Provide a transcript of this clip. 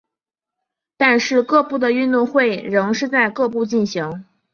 但是各部的运动会仍是在各部进行。